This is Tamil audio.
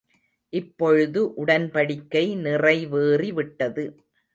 இப்பொழுது உடன்படிக்கை நிறைவேறி விட்டது.